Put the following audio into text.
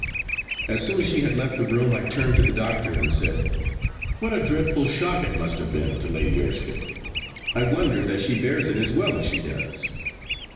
As soon as she had left the room I turned to the doctor and said, 'What a dreadful shock it must have been to Lady Erskine! I wonder that she bears it as well as she does.